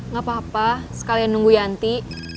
gak apa apa sekalian nunggu yanti